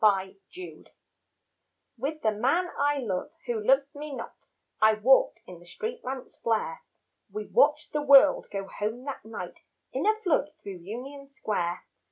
Union Square With the man I love who loves me not, I walked in the street lamps' flare; We watched the world go home that night In a flood through Union Square.